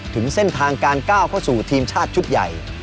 ถึงเส้นทางการก้าวเข้าสู่ทีมชาติชุดใหญ่